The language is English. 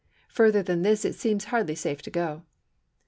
Further than this it seems hardly safe to go.